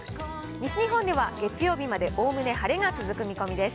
西日本では月曜日までおおむね晴れが続く見込みです。